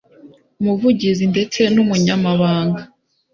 Umuvugizi ndetse n Umunyamabanga